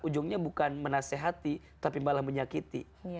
ujungnya bukan menasehati tapi malah menyakiti